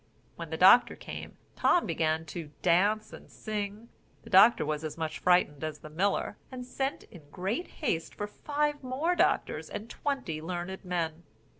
When the doctor came, Tom began to dance and sing; the doctor was as much frightened as the miller, and sent in great haste for five more doctors, and twenty learned men.